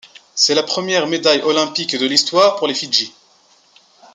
C'est la première médaille olympique de l'histoire pour les Fidji.